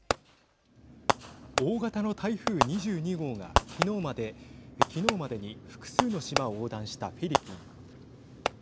大型の台風２２号が昨日までに複数の島を横断したフィリピン。